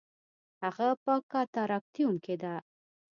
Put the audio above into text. هغه په کاتاراکتیوم کې ده